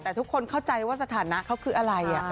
แต่ทุกคนเข้าใจว่าสถานะเขาคืออะไร